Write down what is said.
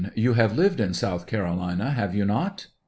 You have lived in South Carolina, have you not